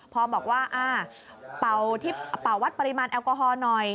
พอบอกว่าเป่าวัดปริมาณแอลกอฮอล์หน่อย